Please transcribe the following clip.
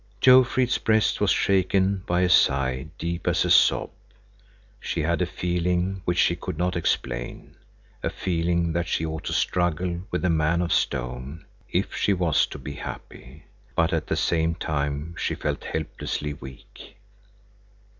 Jofrid's breast was shaken by a sigh deep as a sob. She had a feeling which she could not explain, a feeling that she ought to struggle with the man of stone, if she was to be happy. But at the same time she felt helplessly weak.